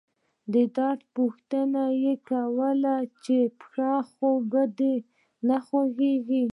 د درد پوښتنه يې کوله چې پښه خو به دې نه خوږيږي.